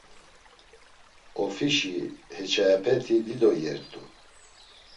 Ofişi heçayepeti dido iyert̆u.